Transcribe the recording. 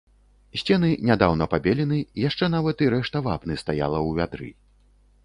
Сцены нядаўна пабелены, яшчэ нават і рэшта вапны стаяла ў вядры.